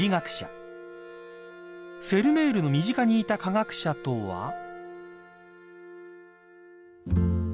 ［フェルメールの身近にいた科学者とは］